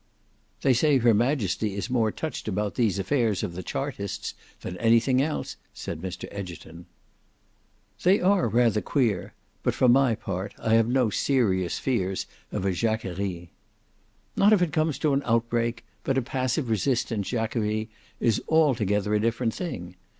"They say her Majesty is more touched about these affairs of the Chartists than anything else," said Mr Egerton. "They are rather queer; but for my part I have no serious fears of a Jacquerie." "Not if it comes to an outbreak; but a passive resistance Jacquerie is altogether a different thing.